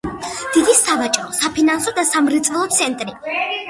დიდი სავაჭრო-საფინანსო და სამრეწველო ცენტრი.